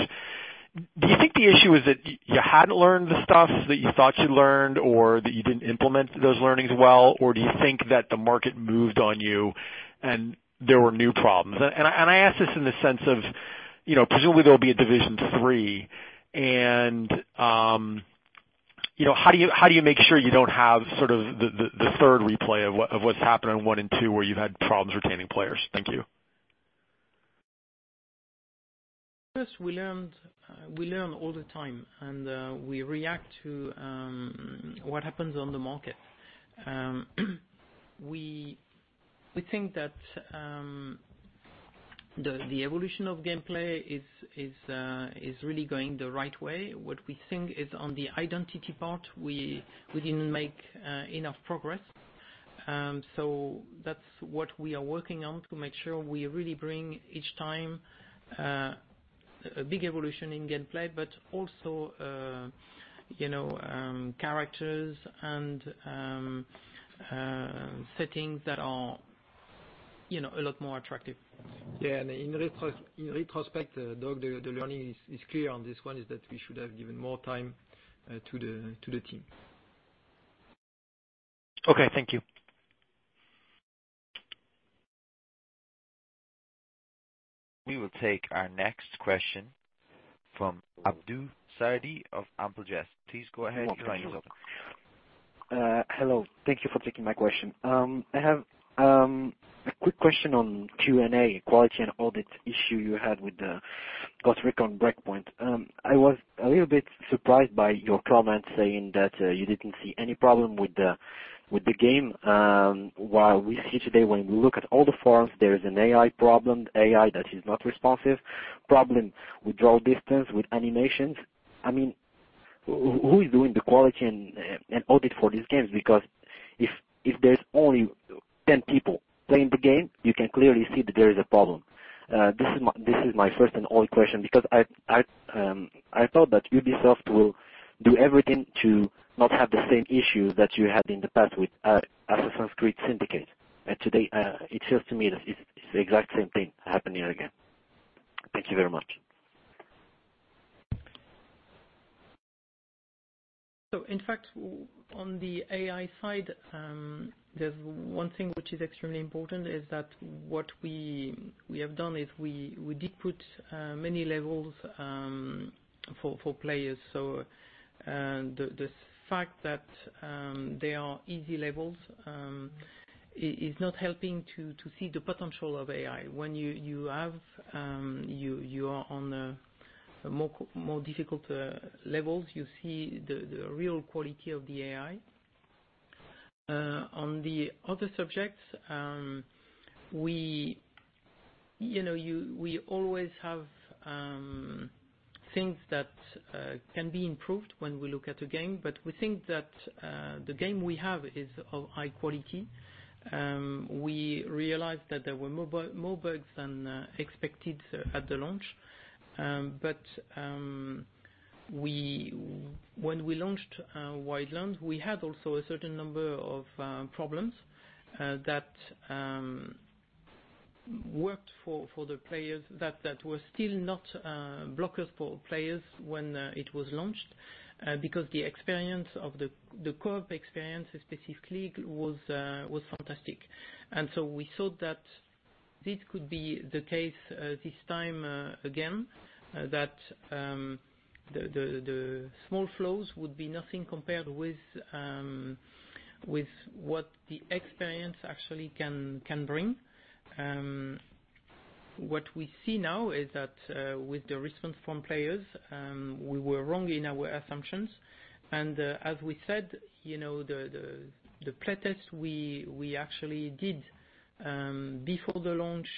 Do you think the issue is that you hadn't learned the stuff that you thought you'd learned, or that you didn't implement those learnings well? Do you think that the market moved on you and there were new problems? I ask this in the sense of, presumably there will be a The Division 3 and how do you make sure you don't have sort of the third replay of what's happened on one and two where you had problems retaining players? Thank you. Yes. We learn all the time, and we react to what happens on the market. We think that the evolution of gameplay is really going the right way. What we think is on the identity part, we didn't make enough progress. That's what we are working on to make sure we really bring each time a big evolution in gameplay but also characters and settings that are a lot more attractive. Yeah, in retrospect, Doug, the learning is clear on this one is that we should have given more time to the team. Okay, thank you. We will take our next question from [Abdu Saadi] of. [inaudible] Please go ahead. Your line is open. Hello. Thank you for taking my question. I have a quick question on Q&A, quality and audit issue you had with the Ghost Recon Breakpoint. I was a little bit surprised by your comment saying that you didn't see any problem with the game. While we see today when we look at all the forums, there is an AI problem, the AI that is not responsive, problem with draw distance, with animations. Who is doing the quality and audit for these games? If there's only 10 people playing the game, you can clearly see that there is a problem. This is my first and only question because I thought that Ubisoft will do everything to not have the same issues that you had in the past with Assassin's Creed Syndicate. Today, it seems to me that it's the exact same thing happening again. Thank you very much. In fact, on the AI side, there's one thing which is extremely important is that what we have done is we did put many levels for players. The fact that they are easy levels, is not helping to see the potential of AI. When you are on the more difficult levels, you see the real quality of the AI. On the other subjects, we always have things that can be improved when we look at a game, but we think that, the game we have is of high quality. We realized that there were more bugs than expected at the launch. When we launched "Wildlands," we had also a certain number of problems that worked for the players, that were still not blockers for players when it was launched, because the co-op experience specifically was fantastic. We thought that this could be the case this time again, that the small flaws would be nothing compared with what the experience actually can bring. What we see now is that with the response from players, we were wrong in our assumptions. As we said, the play test we actually did before the launch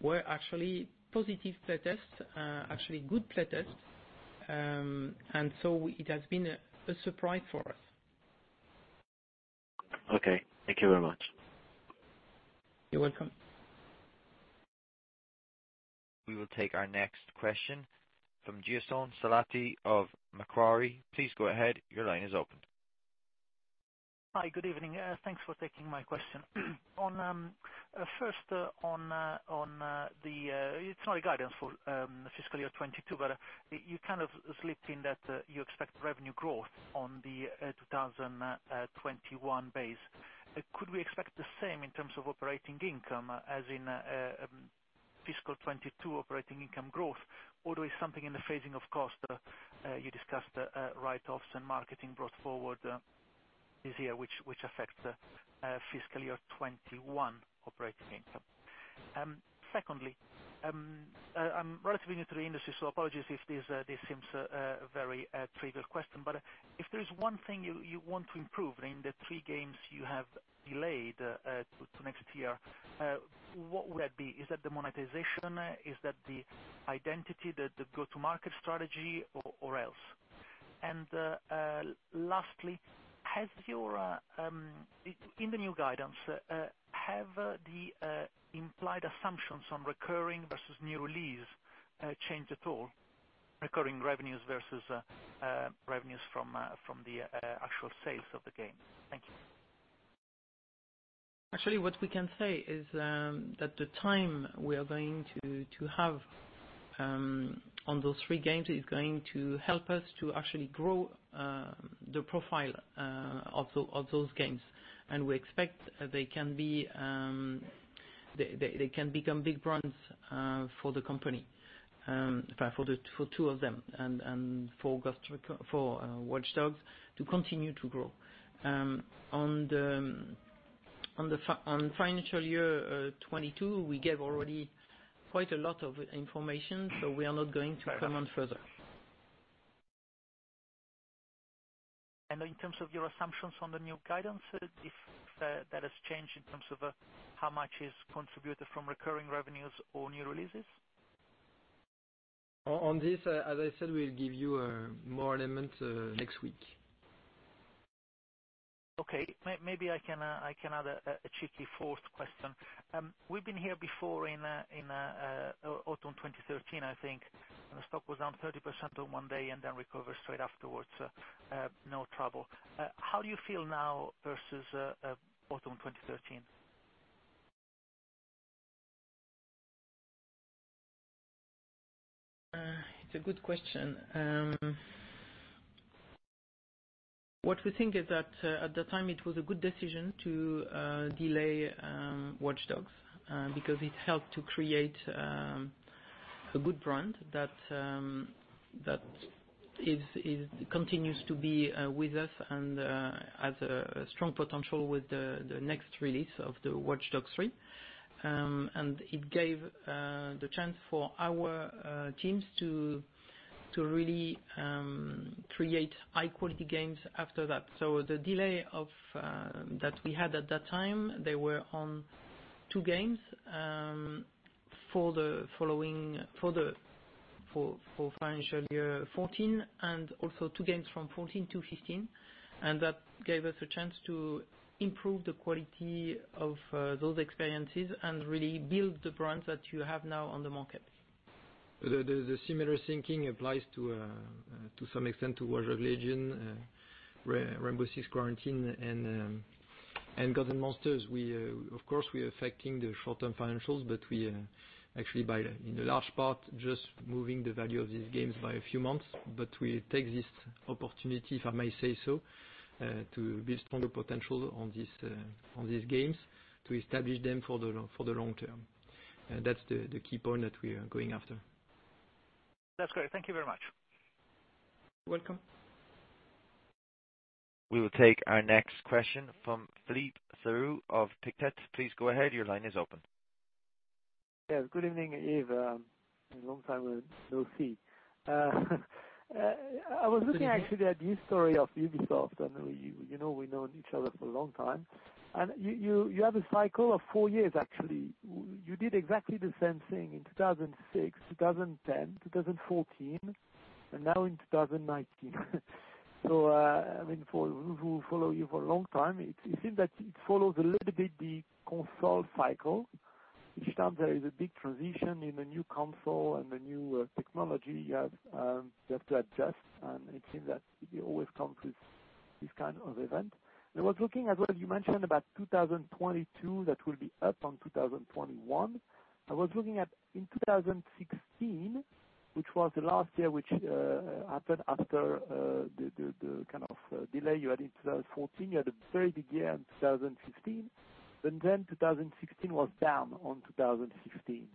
were actually positive play tests, actually good play tests. It has been a surprise for us. Okay. Thank you very much. You're welcome. We will take our next question from Giasone Salati of Macquarie. Please go ahead. Your line is open. Hi. Good evening. Thanks for taking my question. It's not a guidance for fiscal year 2022, but you kind of slipped in that you expect revenue growth on the 2021 base. Could we expect the same in terms of operating income, as in fiscal 2022 operating income growth, or there is something in the phasing of cost you discussed, write-offs and marketing brought forward this year, which affects fiscal year 2021 operating income? I'm relatively new to the industry, so apologies if this seems a very trivial question, but if there's one thing you want to improve in the three games you have delayed to next year, what would that be? Is that the monetization? Is that the identity, the go-to market strategy, or else? Lastly, in the new guidance, have the implied assumptions on recurring versus new release changed at all, recurring revenues versus revenues from the actual sales of the game? Thank you. Actually, what we can say is that the time we are going to have on those three games is going to help us to actually grow the profile of those games. We expect they can become big brands for the company, for two of them, and for Watch Dogs to continue to grow. On financial year 2022, we gave already quite a lot of information, so we are not going to comment further. In terms of your assumptions on the new guidance, if that has changed in terms of how much is contributed from recurring revenues or new releases? On this, as I said, we'll give you more elements next week. Okay. Maybe I can add a cheeky fourth question. We've been here before in autumn 2013, I think, when the stock was down 30% on one day and then recovered straight afterwards, no trouble. How do you feel now versus autumn 2013? It's a good question. What we think is that at the time it was a good decision to delay "Watch Dogs" because it helped to create a good brand that continues to be with us and has a strong potential with the next release of the "Watch Dogs 3". It gave the chance for our teams to really create high-quality games after that. The delay that we had at that time, they were on two games for financial year 2014 and also two games from 2014 to 2015. That gave us a chance to improve the quality of those experiences and really build the brands that you have now on the market. The similar thinking applies to some extent to "Watch Dogs: Legion," "Rainbow Six Extraction," and "Gods & Monsters." We are affecting the short-term financials, but we actually by, in a large part, just moving the value of these games by a few months. We take this opportunity, if I may say so, to build stronger potential on these games to establish them for the long term. That's the key point that we are going after. That's great. Thank you very much. You're welcome. We will take our next question from [Philippe Thoreux] of Pictet. Please go ahead. Your line is open. Yes. Good evening, Yves. A long time no see. I was looking actually at the history of Ubisoft. You know we've known each other for a long time, and you have a cycle of four years, actually. You did exactly the same thing in 2006, 2010, 2014, and now in 2019. For who follow you for a long time, it seems that it follows a little bit the console cycle. Each time there is a big transition in the new console and the new technology, you have to adjust. It seems that it always comes with this kind of event. I was looking as well, you mentioned about 2022, that will be up on 2021. I was looking at in 2016, which was the last year, which happened after the kind of delay you had in 2014. You had a very big year in 2015. 2016 was down on 2015.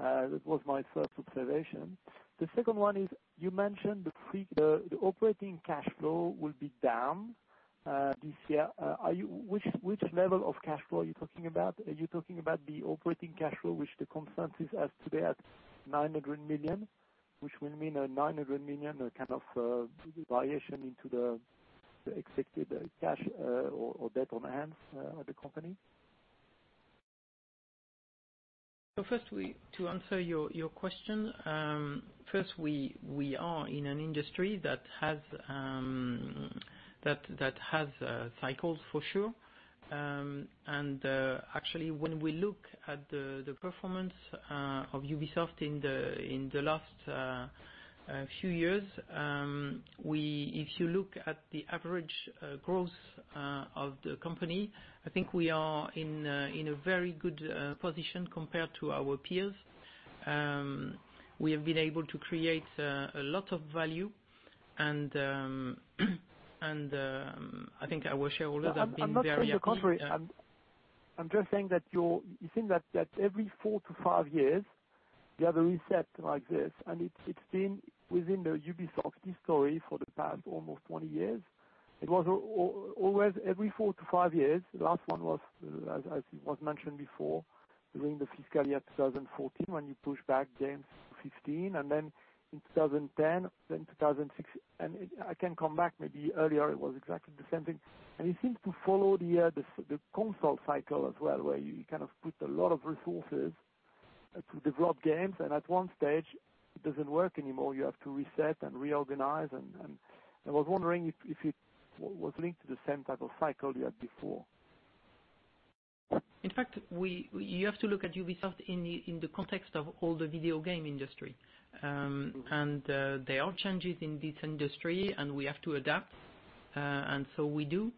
That was my first observation. The second one is, you mentioned the operating cash flow will be down this year. Which level of cash flow are you talking about? Are you talking about the operating cash flow, which the consensus as today at 900 million, which will mean a 900 million kind of variation into the expected cash or debt on hand of the company? First, to answer your question. First, we are in an industry that has cycles, for sure. Actually when we look at the performance of Ubisoft in the last few years, if you look at the average growth of the company, I think we are in a very good position compared to our peers. We have been able to create a lot of value and I think our shareholders have been very happy. I'm not saying the contrary. I'm just saying that it seems that every four to five years you have a reset like this, and it's been within the Ubisoft history for the past almost 20 years. It was always every four to five years. The last one was, as it was mentioned before, during the fiscal year 2014, when you pushed back games to 2015, and then in 2010, then 2006. I can come back, maybe earlier, it was exactly the same thing. It seems to follow the console cycle as well, where you put a lot of resources to develop games, and at one stage, it doesn't work anymore. You have to reset and reorganize and I was wondering if it was linked to the same type of cycle you had before. In fact, you have to look at Ubisoft in the context of all the video game industry. There are changes in this industry, and we have to adapt. We do.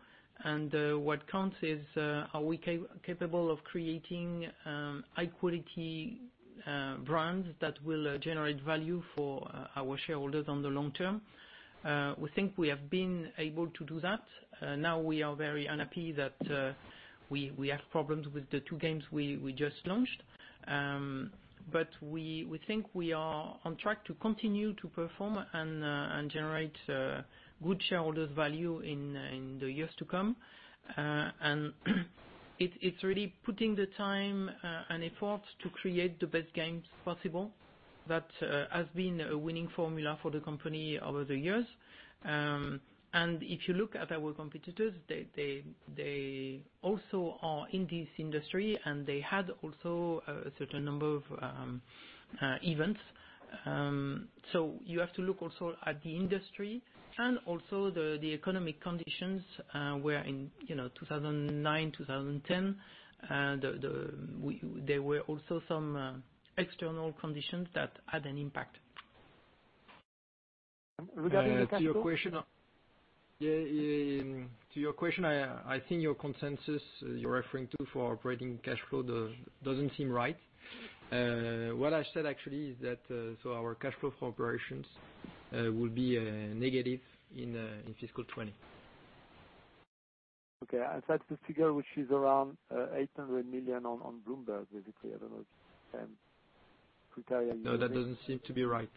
What counts is, are we capable of creating high-quality brands that will generate value for our shareholders on the long term? We think we have been able to do that. Now we are very unhappy that we have problems with the two games we just launched. We think we are on track to continue to perform and generate good shareholders value in the years to come. It's really putting the time and effort to create the best games possible. That has been a winning formula for the company over the years. If you look at our competitors, they also are in this industry, and they had also a certain number of events. You have to look also at the industry and also the economic conditions, where in 2009, 2010, there were also some external conditions that had an impact. Regarding the cash flow. To your question, I think your consensus you're referring to for operating cash flow doesn't seem right. What I said actually is that our cash flow for operations will be negative in fiscal 2020. Okay. I said the figure which is around 800 million on Bloomberg, basically. I don't know if. [inaudible] No, that doesn't seem to be right.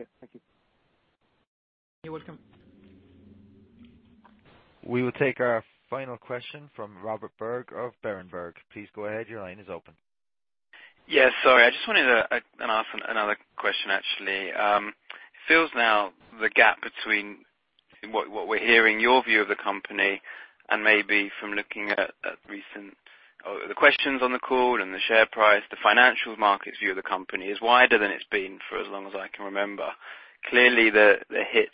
Okay. Thank you. You're welcome. We will take our final question from Robert Berg of Berenberg. Please go ahead. Your line is open. Yeah. Sorry, I just wanted to ask another question, actually. It feels now the gap between what we're hearing, your view of the company and maybe from looking at recent questions on the call and the share price, the financial markets view of the company is wider than it's been for as long as I can remember. Clearly, the hit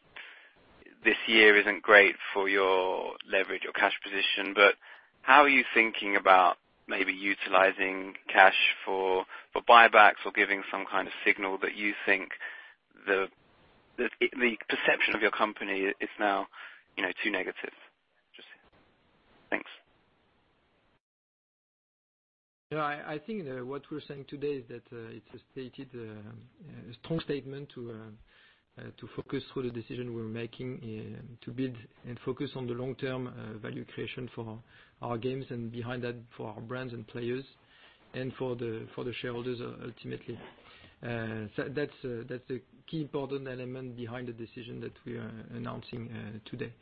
this year isn't great for your leverage or cash position. How are you thinking about maybe utilizing cash for buybacks or giving some kind of signal that you think the perception of your company is now too negative? Just Thanks. I think what we're saying today is that it's a strong statement to focus through the decision we're making, to build and focus on the long-term value creation for our games and behind that, for our brands and players, and for the shareholders, ultimately. That's a key important element behind the decision that we are announcing today.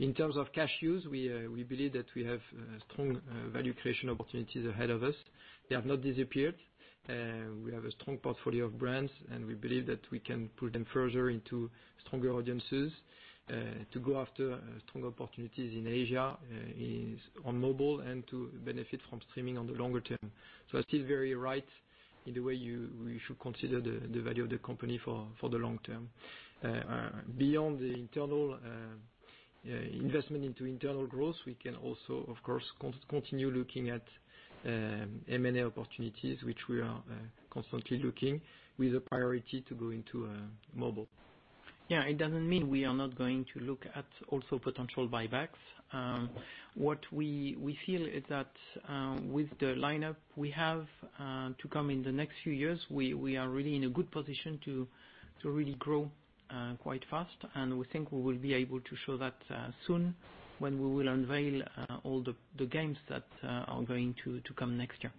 In terms of cash use, we believe that we have strong value creation opportunities ahead of us. They have not disappeared. We have a strong portfolio of brands, and we believe that we can pull them further into stronger audiences to go after strong opportunities in Asia on mobile, and to benefit from streaming on the longer term. It is very right in the way you should consider the value of the company for the long term. Beyond the Investment into internal growth, we can also, of course, continue looking at M&A opportunities, which we are constantly looking, with a priority to go into mobile. Yeah, it doesn't mean we are not going to look at also potential buybacks. What we feel is that with the lineup we have to come in the next few years, we are really in a good position to really grow quite fast. We think we will be able to show that soon when we will unveil all the games that are going to come next year.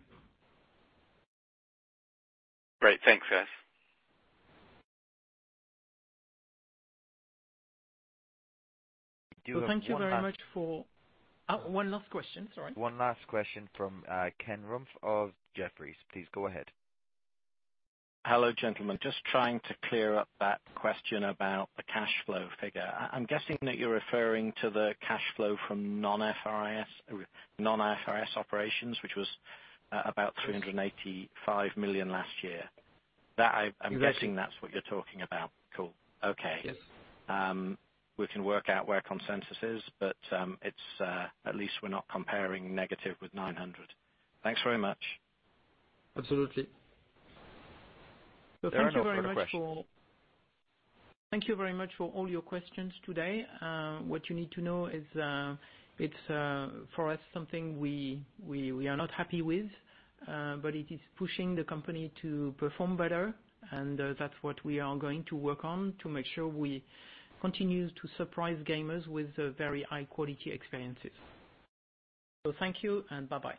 Great. Thanks, guys. Well, thank you very much for. Oh, one last question. Sorry. One last question from Ken Rumph of Jefferies. Please go ahead. Hello, gentlemen. Just trying to clear up that question about the cash flow figure. I'm guessing that you're referring to the cash flow from non-IFRS operations, which was about 385 million last year. I'm guessing that's what you're talking about. Cool. Okay. Yes. We can work out where consensus is, but at least we're not comparing negative with 900. Thanks very much. Absolutely. There are no further questions. Thank you very much for all your questions today. What you need to know is, it's for us, something we are not happy with, but it is pushing the company to perform better, and that's what we are going to work on to make sure we continue to surprise gamers with very high-quality experiences. Thank you, and bye-bye.